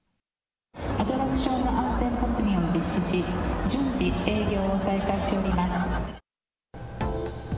アトラクションの安全確認を実施し、順次、営業を再開しております。